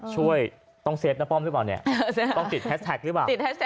ช่วยต้องเซฟณป้อมหรือเปล่าเนี่ยต้องติดแฮชแท็กหรือเปล่า